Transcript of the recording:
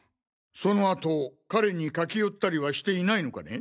そのあと彼に駆け寄ったりはしていないのかね？